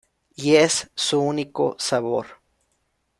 Y es su único sabor.